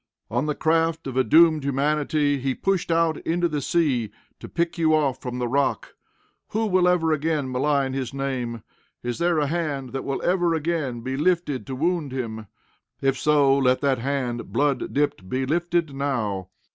On the craft of a doomed humanity he pushed out into the sea, to pick you off the rock. Who will ever again malign his name? Is there a hand that will ever again be lifted to wound him? If so, let that hand, blood dipped, be lifted now.